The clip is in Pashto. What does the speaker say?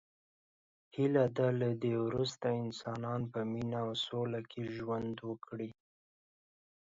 هیله ده له دی وروسته انسانان په مینه او سوله کې ژوند وکړي.